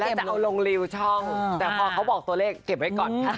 แล้วจะเอาลงริวช่องแต่พอเขาบอกตัวเลขเก็บไว้ก่อน